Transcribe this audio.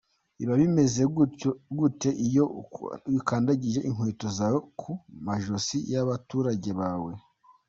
Biba bimeze gute iyo ukandagije inkweto zawe ku majosi y’abaturage bawe?”